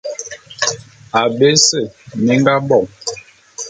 Abé ese mi nga bo.